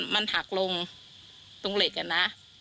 มันหักลงตรงเหล็กอะนะ